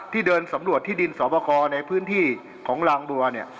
เดินสำรวจที่ดินสอบคอในพื้นที่ของลางบัวเนี่ย